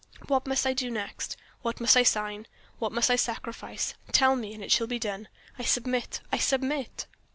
What must I do next? What must I sign? What must I sacrifice? Tell me and it shall be done. I submit! I submit!"